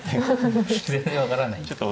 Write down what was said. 全然分からない。